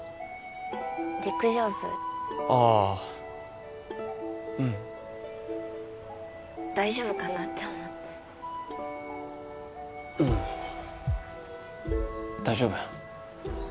陸上部ああうん大丈夫かなって思ってうん大丈夫